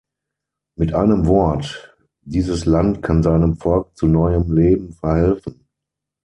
Mit einem Wort, dieses Land kann seinem Volk zu neuem Leben verhelfen.